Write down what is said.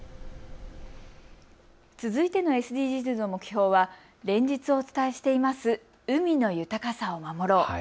続いてのＳＤＧｓの目標は連日、お伝えしている海の豊かさを守ろう。